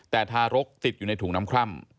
แต่ทารกติดอยู่ในถุงน้ำคร่ำ